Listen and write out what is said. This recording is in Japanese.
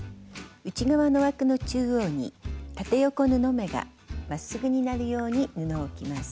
内側の枠の中央に縦横布目がまっすぐになるように布を置きます。